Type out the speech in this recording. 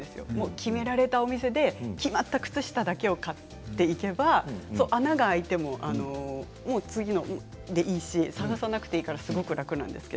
決めたお店で決まった靴下だけを買っていれば穴が開いても次のものを探さなくてもいいのですごく楽です。